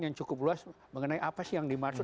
yang cukup luas mengenai apa sih yang dimaksud